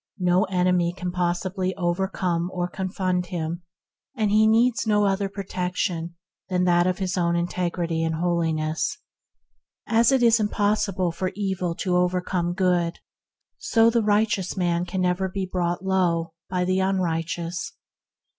No ■• enemy can possibly o y rercome or confound him; an'd he needs no other protection than that of his own integrity and holiness. As it is impossible for evil to overcome Good, so the righteous man can never be brought low by the unrighteous.